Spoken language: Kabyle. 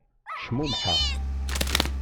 Cmumḥeɣ.